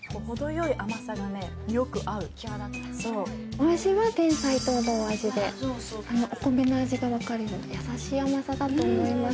お味はてんさい糖で、お米の味が分かる優しい甘さだと思います。